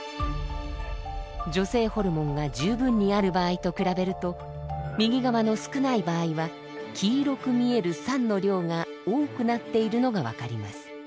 女性ホルモンが十分にある場合と比べると右側の少ない場合は黄色く見える酸の量が多くなっているのが分かります。